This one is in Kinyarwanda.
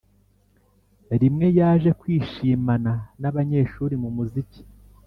rimwe yaje kwishimana n' abanyeshuri mu muziki.